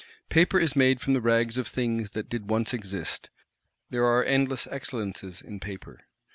Paper is made from the rags of things that did once exist; there are endless excellences in Paper.